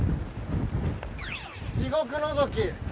地獄のぞき。